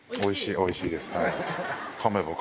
おいしいです。